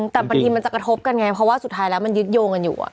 แต่บางทีมันจะกระทบกันไงเพราะว่าสุดท้ายแล้วมันยึดโยงกันอยู่